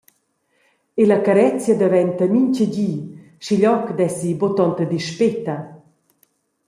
E la carezia daventa mintgadi, schiglioc dess ei buca tonta dispeta.